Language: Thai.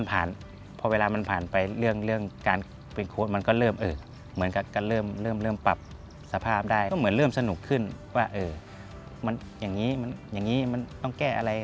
พอเวลามันผ่านไปเรื่องการเป็นโค้ดมันก็เริ่มปรับสภาพได้ก็เหมือนเริ่มสนุกขึ้นว่ามันอย่างนี้อย่างนี้มันต้องแก้อะไร